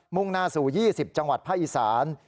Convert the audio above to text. ่งหน้าสู่๒๐จังหวัดภาคอีสาน